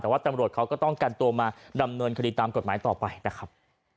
แต่ว่าตำรวจเขาก็ต้องกันตัวมาดำเนินคดีตามกฎหมายต่อไปนะครับ